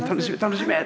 楽しめ！